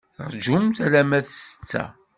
Rjumt alamma d ssetta.